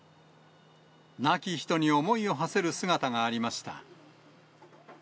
亡き人に思いをはせる姿がありました。